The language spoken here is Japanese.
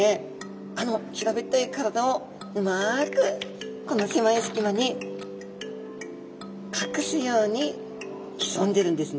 あの平べったい体をうまくこの狭い隙間に隠すように潜んでいるんですね。